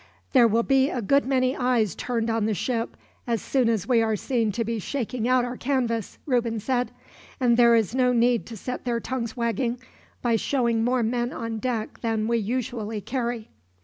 "There will be a good many eyes turned on the ship, as soon as we are seen to be shaking out our canvas," Reuben said; "and there is no need to set their tongues wagging, by showing more men on deck than we usually carry."